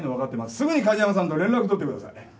すぐに梶山さんと連絡取ってください。